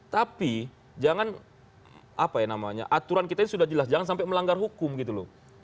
tapi jangan apa ya namanya aturan kita ini sudah jelas jangan sampai melanggar hukum gitu loh